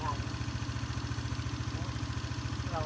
ไหนเนื้อหรือมรึง